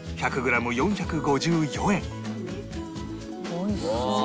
おいしそう。